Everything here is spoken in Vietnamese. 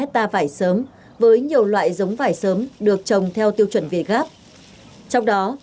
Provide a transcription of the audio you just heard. trong đó vải sớm u hồng có diện tích lớn nhất chiếm trên bảy mươi năm